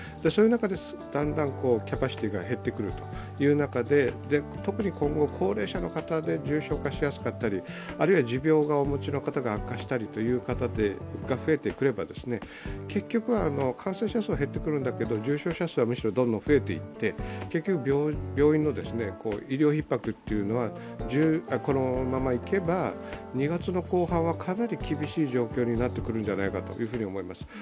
そういう中でだんだんキャパシティーが減ってくるという中で特に今後、高齢者の方で重症化しやすかったりあるいは持病をお持ちの方が悪化したりという方が増えてくれば結局は感染者数は減ってくるんだけれども、重症者はむしろどんどん増えていって結局、病院の医療ひっ迫というのはこのままいけば２月の後半はかなり厳しい状況になってくるんじゃないかと思います。